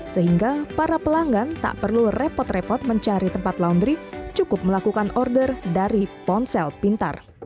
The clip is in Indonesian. sehingga para pelanggan tak perlu repot repot mencari tempat laundry cukup melakukan order dari ponsel pintar